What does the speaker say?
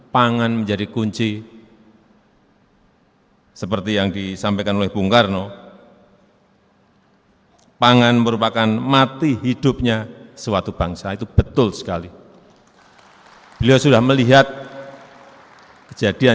proses p arterai menguruskan api membentuk stenanya untuk mematikan